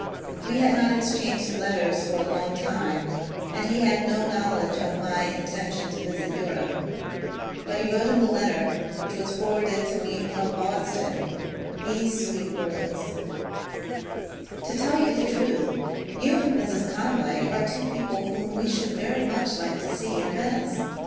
'* We had not exchanged letters for a long time and he had no knowledge of my intention to visit Europe ; but he wrote in the letter, which was forwarded to me from Boston, these sweet words :— To tell you the truth, you and Mrs. Conway are two people whom we should very much like to see in Venice.